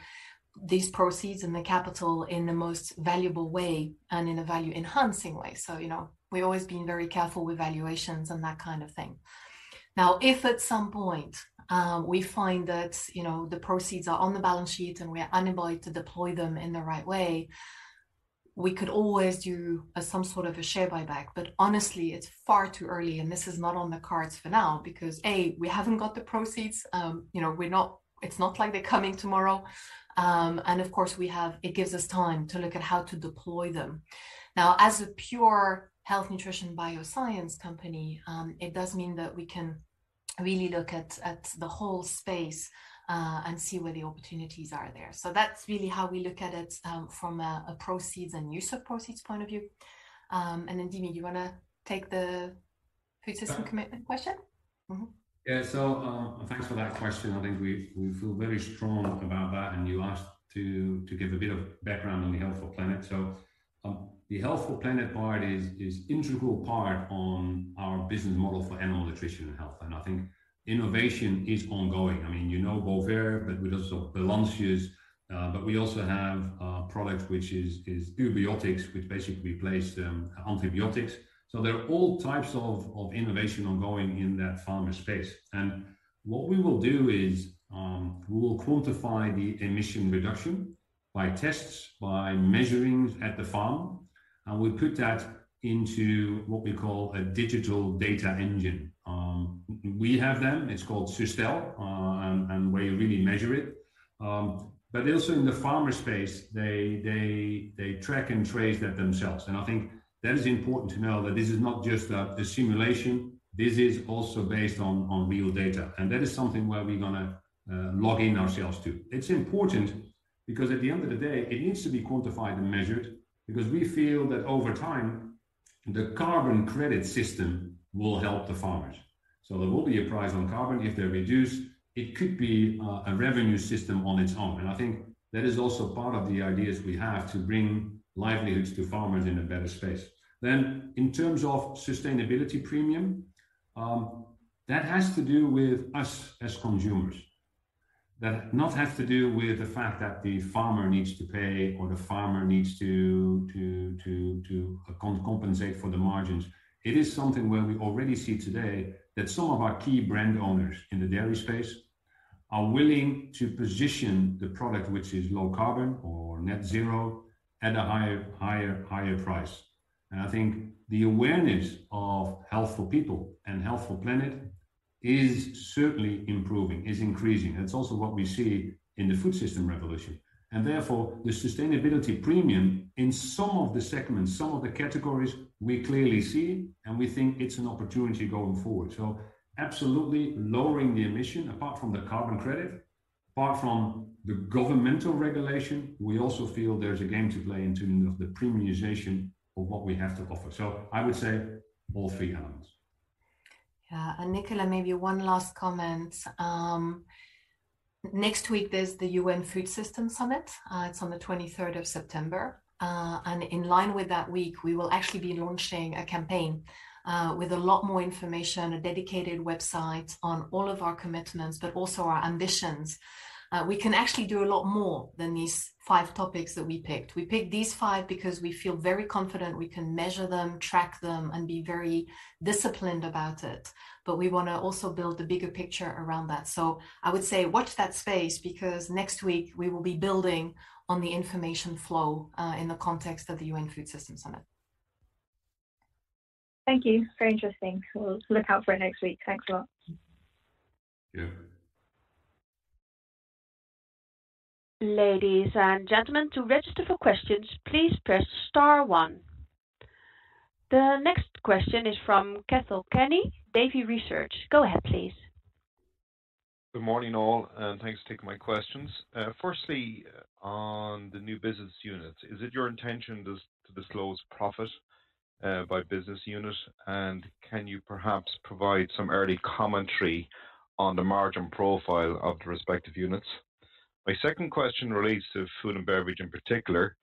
these proceeds and the capital in the most valuable way and in a value-enhancing way. We're always being very careful with valuations and that kind of thing. If at some point we find that the proceeds are on the balance sheet and we are unable to deploy them in the right way, we could always do some sort of a share buyback. Honestly, it's far too early, and this is not on the cards for now because, A, we haven't got the proceeds. It's not like they're coming tomorrow. Of course, it gives us time to look at how to deploy them. As a pure health nutrition bioscience company, it does mean that we can really look at the whole space and see where the opportunities are there. That's really how we look at it from a proceeds and use of proceeds point of view. Then, Dimitri, you want to take the food system commitment question? Yeah. Thanks for that question. I think we feel very strong about that. You asked to give a bit of background on the Health for Planet. The Health for Planet part is integral part on our business model for Animal Nutrition & Health. I think innovation is ongoing. You know Bovaer, we also have Balancius, we also have a product which is eubiotics, which basically replace antibiotics. They're all types of innovation ongoing in that farmer space. What we will do is, we will quantify the emission reduction by tests, by measuring at the farm. We put that into what we call a digital data engine. We have them, it's called Sustell, where you really measure it. Also in the farmer space, they track and trace that themselves. I think that is important to know that this is not just a simulation. This is also based on real data, and that is something where we're going to log in ourselves to. It's important because at the end of the day, it needs to be quantified and measured because we feel that over time, the carbon credit system will help the farmers. There will be a price on carbon if they reduce. It could be a revenue system on its own. I think that is also part of the ideas we have to bring livelihoods to farmers in a better space. In terms of sustainability premium, that has to do with us as consumers. That not have to do with the fact that the farmer needs to pay or the farmer needs to compensate for the margins. It is something where we already see today that some of our key brand owners in the dairy space are willing to position the product, which is low carbon or net zero at a higher price. I think the awareness of health for people and health for planet is certainly improving, is increasing. That's also what we see in the food system revolution. Therefore, the sustainability premium in some of the segments, some of the categories we clearly see, and we think it's an opportunity going forward. Absolutely lowering the emission, apart from the carbon credit, apart from the governmental regulation, we also feel there's a game to play in tune of the premiumization of what we have to offer. I would say all three elements. Yeah. Nicola, maybe one last comment. Next week, there's the UN Food Systems Summit. It's on the 23rd of September. In line with that week, we will actually be launching a campaign with a lot more information, a dedicated website on all of our commitments, but also our ambitions. We can actually do a lot more than these five topics that we picked. We picked these five because we feel very confident we can measure them, track them, and be very disciplined about it. We want to also build the bigger picture around that. I would say watch that space, because next week, we will be building on the information flow in the context of the UN Food Systems Summit. Thank you. Very interesting. We'll look out for it next week. Thanks a lot. Yeah. Ladies and gentlemen, to register for questions, please press star one. The next question is from Cathal Kenny, Davy Research. Go ahead, please. Good morning, all, and thanks for taking my questions. Firstly, on the new business units, is it your intention to disclose profit by business unit? Can you perhaps provide some early commentary on the margin profile of the respective units? My second question relates to Food & Beverage in particular,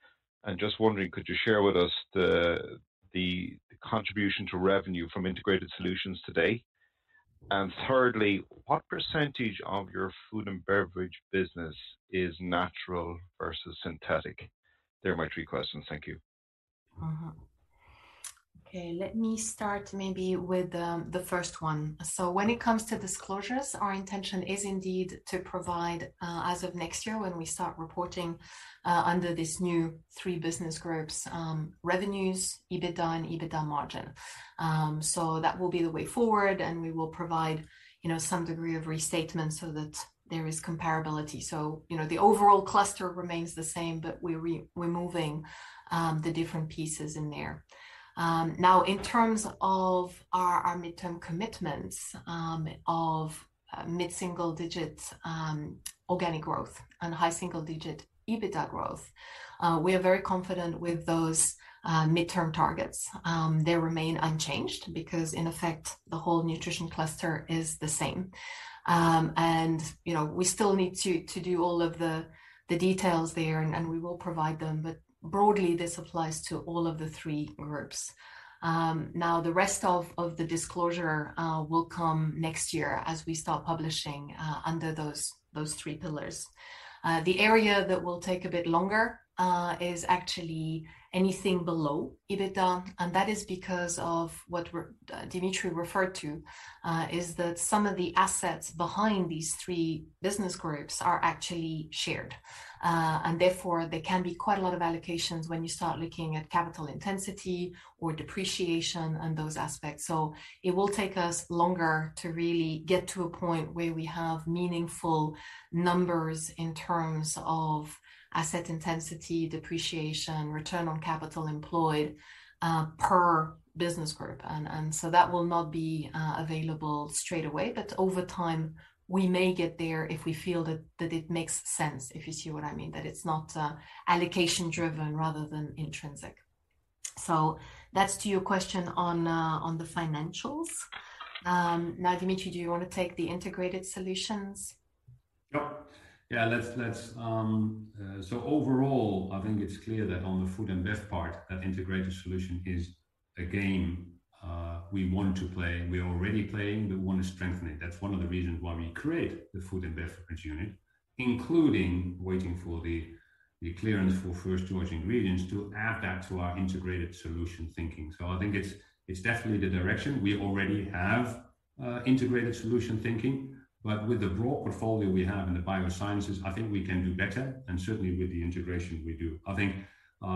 and just wondering, could you share with us the contribution to revenue from integrated solutions today? Thirdly, what percentage of your Food & Beverage business is natural versus synthetic? They're my three questions. Thank you. Okay, let me start maybe with the first one. When it comes to disclosures, our intention is indeed to provide, as of next year when we start reporting under these new three business groups, revenues, EBITDA, and EBITDA margin. That will be the way forward, and we will provide some degree of restatement so that there is comparability. The overall cluster remains the same, but we're moving the different pieces in there. In terms of our mid-term commitments of mid-single digit organic growth and high single-digit EBITDA growth, we are very confident with those mid-term targets. They remain unchanged because, in effect, the whole nutrition cluster is the same. We still need to do all of the details there, and we will provide them, but broadly, this applies to all of the three groups. The rest of the disclosure will come next year as we start publishing under those three pillars. The area that will take a bit longer is actually anything below EBITDA, and that is because of what Dimitri referred to, is that some of the assets behind these three business groups are actually shared. Therefore, there can be quite a lot of allocations when you start looking at capital intensity or depreciation and those aspects. It will take us longer to really get to a point where we have meaningful numbers in terms of asset intensity, depreciation, return on capital employed per business group. That will not be available straightaway, but over time, we may get there if we feel that it makes sense, if you see what I mean, that it's not allocation driven rather than intrinsic. That's to your question on the financials. Dimitri, do you want to take the integrated solutions? Yep. Yeah, overall, I think it's clear that on the Food & Bev part, that integrated solution is a game we want to play. We're already playing, we want to strengthen it. That's one of the reasons why we create the Food & Bev unit, including waiting for the clearance for First Choice Ingredients to add that to our integrated solution thinking. I think it's definitely the direction. We already have integrated solution thinking, but with the broad portfolio we have in the biosciences, I think we can do better, and certainly with the integration we do. I think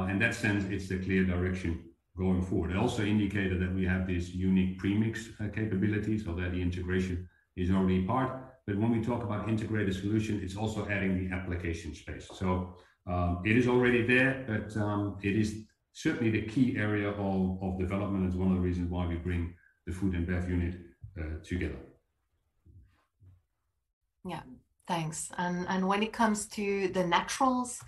in that sense, it's the clear direction going forward. I also indicated that we have these unique premix capabilities, so there the integration is already part. When we talk about integrated solution, it's also adding the application space. It is already there, but it is certainly the key area of development. It's one of the reasons why we bring the Food & Bev unit together. Yeah. Thanks. When it comes to the naturals,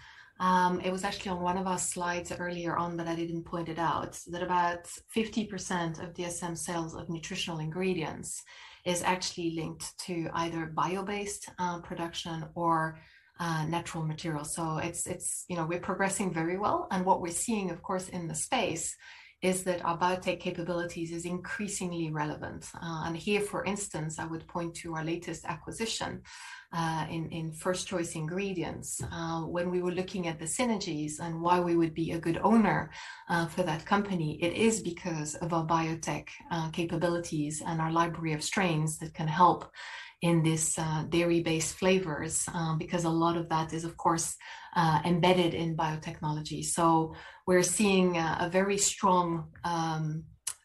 it was actually on one of our slides earlier on that I didn't point it out, that about 50% of DSM sales of nutritional ingredients is actually linked to either bio-based production or natural materials. We're progressing very well, and what we're seeing, of course, in the space is that our biotech capabilities is increasingly relevant. Here, for instance, I would point to our latest acquisition in First Choice Ingredients. When we were looking at the synergies and why we would be a good owner for that company, it is because of our biotech capabilities and our library of strains that can help in this dairy-based flavors, because a lot of that is, of course, embedded in biotechnology. We're seeing a very strong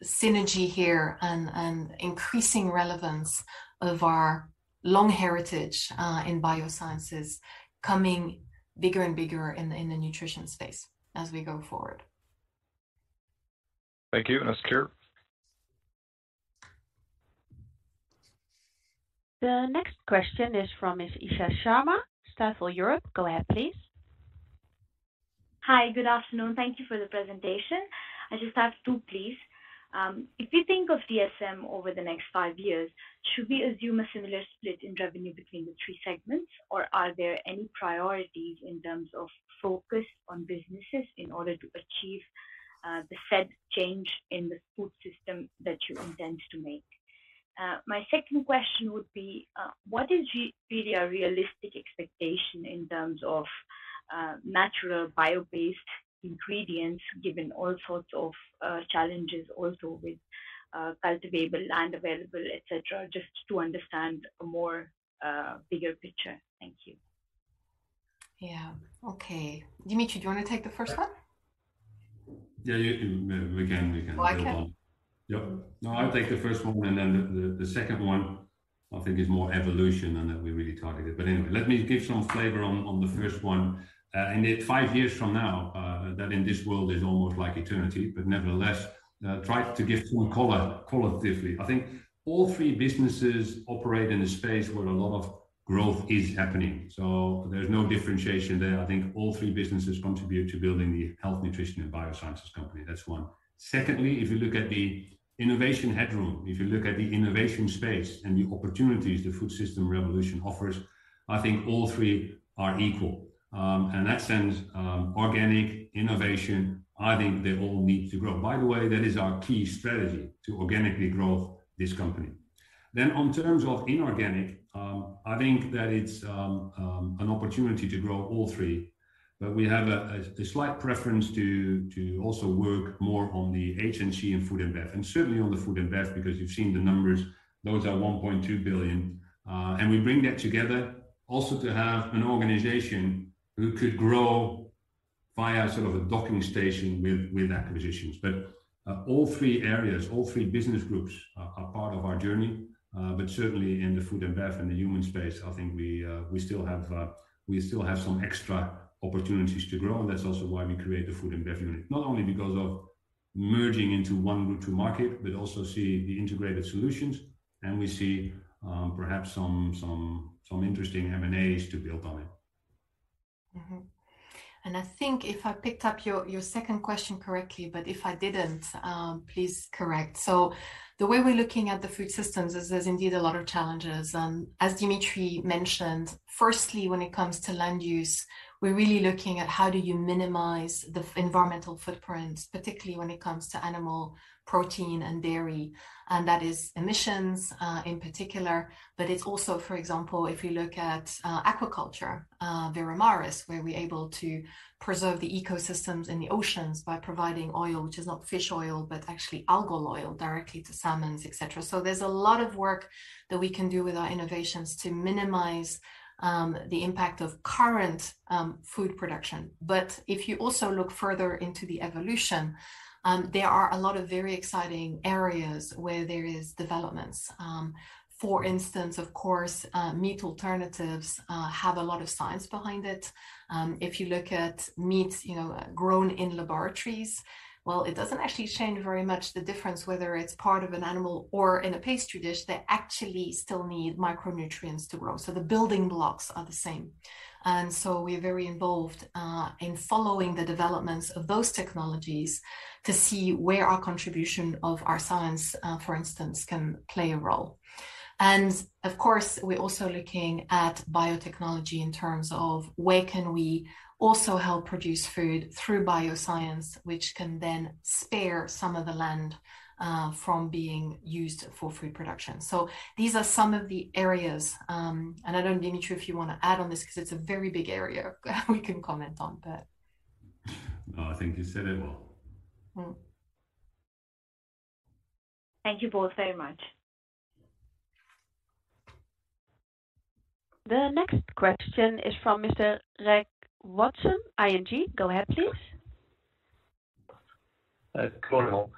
synergy here and increasing relevance of our long heritage in biosciences coming bigger and bigger in the nutrition space as we go forward. Thank you. That's clear. The next question is from Ms. Isha Sharma, Stifel Europe. Go ahead, please. Hi. Good afternoon. Thank you for the presentation. I just have two, please. If you think of DSM over the next five years, should we assume a similar split in revenue between the three segments, or are there any priorities in terms of focus on businesses in order to achieve the said change in the food system that you intend to make? My second question would be, what is really a realistic expectation in terms of natural bio-based ingredients, given all sorts of challenges also with cultivable, land available, et cetera, just to understand a more bigger picture. Thank you. Yeah. Okay. Dimitri, do you want to take the first one? Yeah. We can go on. Well. Yep. No, I'll take the first one, and then the second one I think is more evolution than that we really targeted. Anyway, let me give some flavor on the first one. In it, five years from now, that in this world is almost like eternity, but nevertheless, try to give some color qualitatively. I think all three businesses operate in a space where a lot of growth is happening, so there's no differentiation there. I think all three businesses contribute to building the health, nutrition, and biosciences company. That's one. Secondly, if you look at the innovation headroom, if you look at the innovation space and the opportunities the food system revolution offers, I think all three are equal. That sends organic innovation. I think they all need to grow. By the way, that is our key strategy, to organically grow this company. On terms of inorganic, I think that it's an opportunity to grow all three, but we have a slight preference to also work more on the HNC and Food & Bev. Certainly on the Food & Bev, because you've seen the numbers. Those are 1.2 billion. We bring that together also to have an organization who could grow via sort of a docking station with acquisitions. All three areas, all three business groups are part of our journey. Certainly in the Food & Bev and the human space, I think we still have some extra opportunities to grow, and that's also why we create the Food & Bev unit. Not only because of merging into one route to market, but also see the integrated solutions, and we see perhaps some interesting M&As to build on it. I think if I picked up your second question correctly, but if I didn't, please correct. The way we're looking at the food systems is there's indeed a lot of challenges, and as Dimitri mentioned, firstly, when it comes to land use, we're really looking at how do you minimize the environmental footprint, particularly when it comes to animal protein and dairy, and that is emissions in particular. It's also, for example, if you look at aquaculture, Veramaris, where we're able to preserve the ecosystems in the oceans by providing oil, which is not fish oil, but actually algal oil directly to salmons, et cetera. There's a lot of work that we can do with our innovations to minimize the impact of current food production. If you also look further into the evolution, there are a lot of very exciting areas where there is developments. For instance, of course, meat alternatives have a lot of science behind it. If you look at meat grown in laboratories, well, it doesn't actually change very much the difference whether it's part of an animal or in a pastry dish. They actually still need micronutrients to grow. The building blocks are the same. We're very involved in following the developments of those technologies to see where our contribution of our science, for instance, can play a role. Of course, we're also looking at biotechnology in terms of where can we also help produce food through bioscience, which can then spare some of the land from being used for food production. These are some of the areas, and I don't know, Dimitri, if you want to add on this because it's a very big area we can comment on, but. No, I think you said it well. Thank you both very much. The next question is from Mr. Reg Watson, ING. Go ahead, please. Good morning all.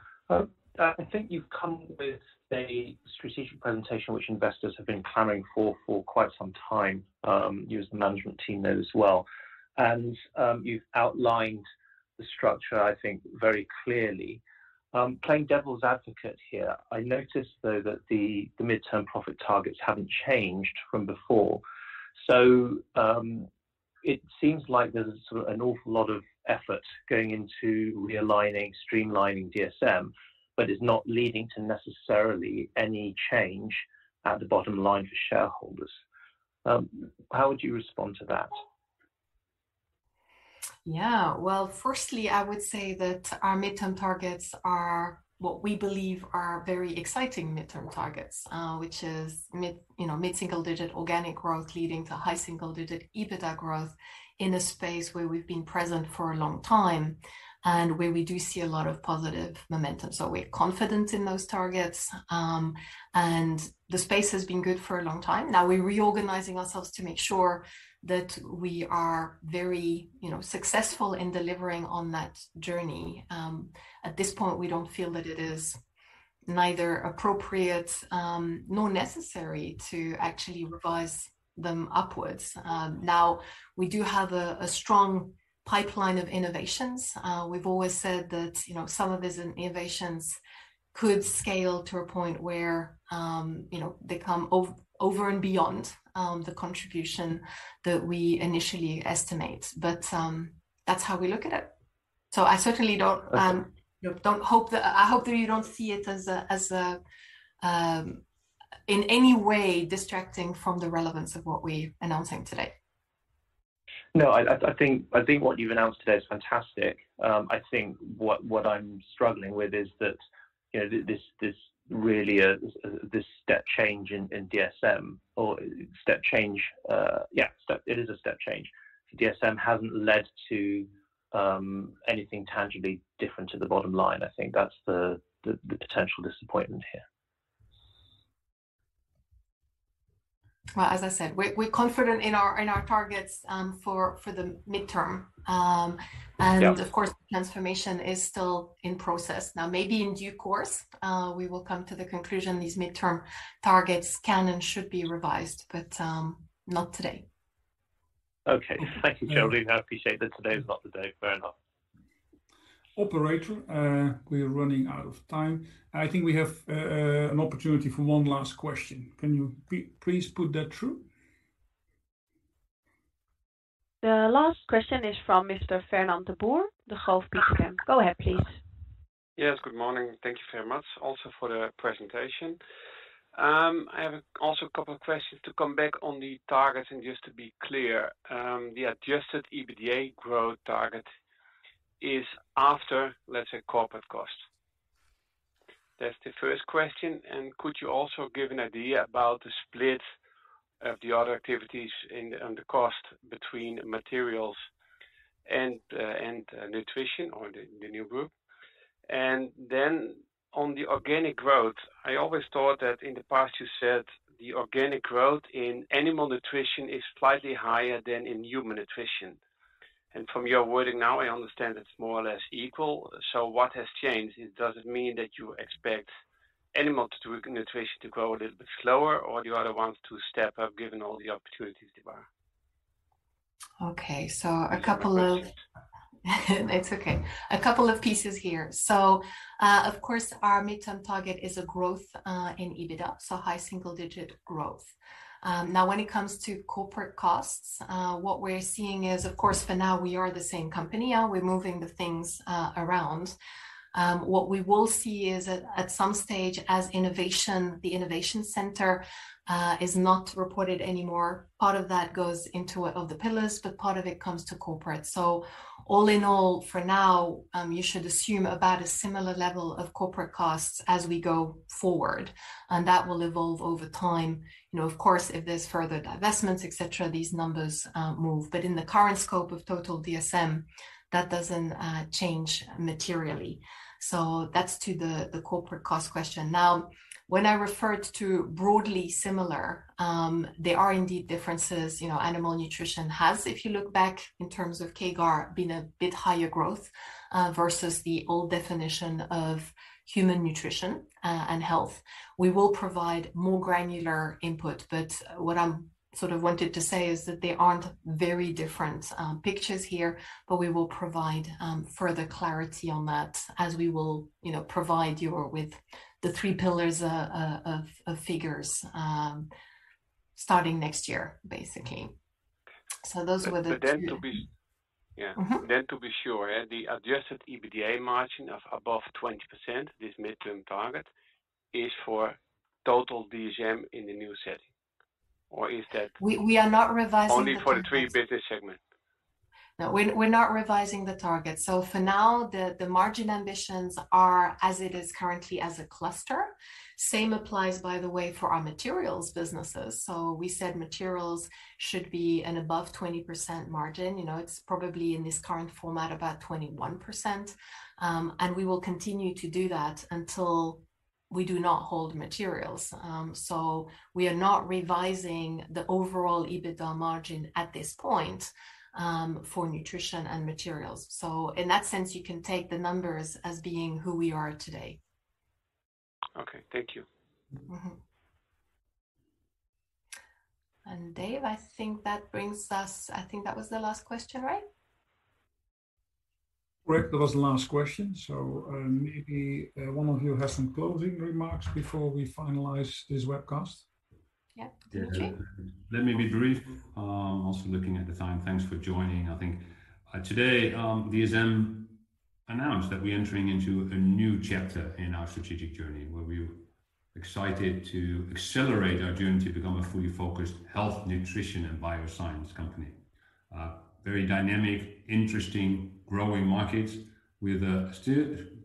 I think you've come with a strategic presentation which investors have been clamoring for quite some time. You as the management team know as well. You've outlined the structure, I think very clearly. Playing devil's advocate here, I noticed, though, that the midterm profit targets haven't changed from before. It seems like there's sort of an awful lot of effort going into realigning, streamlining DSM, but it's not leading to necessarily any change at the bottom line for shareholders. How would you respond to that? Well, firstly, I would say that our mid-term targets are what we believe are very exciting mid-term targets, which is mid-single-digit organic growth leading to high single-digit EBITDA growth in a space where we've been present for a long time and where we do see a lot of positive momentum. We're confident in those targets. The space has been good for a long time. We're reorganizing ourselves to make sure that we are very successful in delivering on that journey. At this point, we don't feel that it is neither appropriate nor necessary to actually revise them upwards. We do have a strong pipeline of innovations. We've always said that some of these innovations could scale to a point where they come over and beyond the contribution that we initially estimate. That's how we look at it. I certainly hope that you don't see it as in any way distracting from the relevance of what we're announcing today. No, I think what you've announced today is fantastic. I think what I'm struggling with is that this step change in DSM. Yeah, it is a step change. DSM hasn't led to anything tangibly different to the bottom line. I think that's the potential disappointment here. Well, as I said, we're confident in our targets for the mid-term. Yeah. Of course, transformation is still in process. Maybe in due course, we will come to the conclusion these midterm targets can and should be revised, but not today. Okay. Thank you, Geraldine. I appreciate that today is not the day. Fair enough. Operator, we are running out of time. I think we have an opportunity for one last question. Can you please put that through? The last question is from Mr. Fernand de Boer, Degroof Petercam. Go ahead, please. Yes, good morning. Thank you very much also for the presentation. I have also a couple of questions to come back on the targets and just to be clear, the adjusted EBITDA growth target is after, let's say, corporate costs. That's the first question. Could you also give an idea about the split of the other activities and the cost between materials and nutrition or the new group? Then on the organic growth, I always thought that in the past you said the organic growth in Animal Nutrition is slightly higher than in Human Nutrition. From your wording now, I understand it's more or less equal. What has changed? Does it mean that you expect Animal Nutrition to grow a little bit slower, or the other ones to step up given all the opportunities there are? Okay. These are my questions. It's okay. A couple of pieces here. Of course, our mid-term target is a growth in EBITDA, high single-digit growth. When it comes to corporate costs, what we're seeing is, of course, for now, we are the same company. We're moving the things around. What we will see is at some stage as innovation, the Innovation Center is not reported anymore. Part of that goes into one of the pillars, but part of it comes to corporate. All in all, for now, you should assume about a similar level of corporate costs as we go forward, and that will evolve over time. Of course, if there's further divestments, et cetera, these numbers move. In the current scope of total DSM, that doesn't change materially. That's to the corporate cost question. When I referred to broadly similar, there are indeed differences. Animal Nutrition has, if you look back in terms of CAGR, been a bit higher growth versus the old definition of Human Nutrition & Health. What I'm sort of wanted to say is that they aren't very different pictures here. We will provide further clarity on that as we will provide you with the three pillars of figures starting next year, basically. Those were the two. But then to be- To be sure, the adjusted EBITDA margin of above 20%, this mid-term target, is for total DSM in the new setting? We are not revising the targets. only for the three business segments? No, we're not revising the target. For now, the margin ambitions are as it is currently as a cluster. Same applies, by the way, for our materials businesses. We said materials should be an above 20% margin. It's probably in this current format about 21%, and we will continue to do that until we do not hold materials. We are not revising the overall EBITDA margin at this point for nutrition and materials. In that sense, you can take the numbers as being who we are today. Okay. Thank you. Dave, I think that was the last question, right? Correct. That was the last question. Maybe one of you has some closing remarks before we finalize this webcast. Yep. Okay. Let me be brief. Also looking at the time. Thanks for joining. I think today DSM announced that we're entering into a new chapter in our strategic journey, where we're excited to accelerate our journey to become a fully focused health, nutrition, and bioscience company. A very dynamic, interesting growing market with a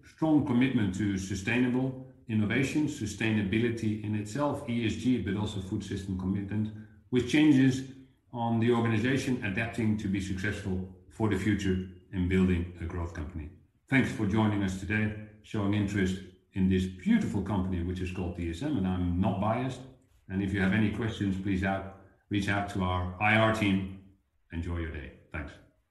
strong commitment to sustainable innovation, sustainability in itself, ESG, but also food system commitment with changes on the organization adapting to be successful for the future in building a growth company. Thanks for joining us today, showing interest in this beautiful company, which is called DSM, and I'm not biased. If you have any questions, please reach out to our IR team. Enjoy your day. Thanks.